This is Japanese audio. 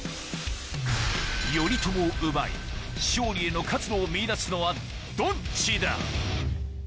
頼朝を奪い勝利への活路を見いだすのはどっちだ？